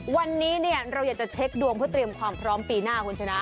วันนี้เนี่ยเราอยากจะเช็คดวงเพื่อเตรียมความพร้อมปีหน้าคุณชนะ